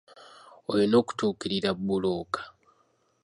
Olina okutuukirira bbulooka.